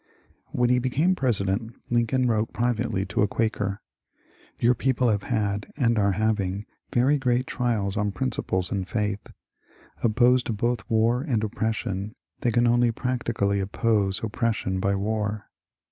When he became President, Lincoln wrote privately to a Quaker :'^ Your people have had and are having very great trials on principles and faith. Opposed to both war and op pression, they can only practically oppose oppression by war."